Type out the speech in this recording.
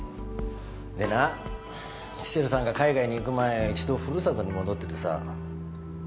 でなシセルさんが海外に行く前一度ふるさとに戻っててさ。